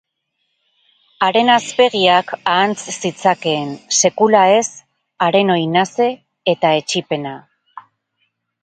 Haren hazpegiak ahantz zitzakeen, sekula ez haren oinaze eta etsipena.